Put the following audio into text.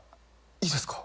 いいですか？